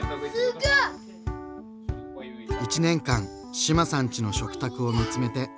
１年間志麻さんちの食卓を見つめて。